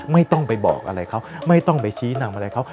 ไม่ต้องไปบอกอะไรเขาไม่ต้องไปชี้นำอะไรเขา